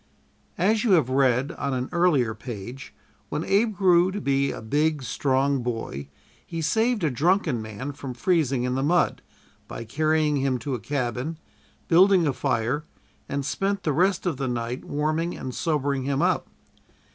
As you have read on an earlier page, when Abe grew to be a big, strong boy he saved a drunken man from freezing in the mud, by carrying him to a cabin, building a fire, and spent the rest of the night warming and sobering him up.